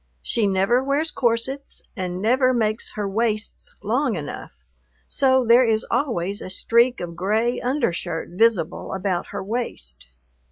She never wears corsets and never makes her waists long enough, so there is always a streak of gray undershirt visible about her waist.